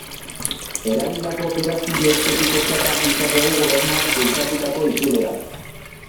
Eragindako operazio estetikotzat har ditzakegu Gobernuak bultzatutako itzulerak.